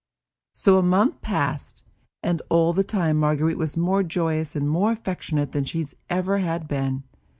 So a month passed, and all the time Marguerite was more joyous and more affectionate than she ever had been.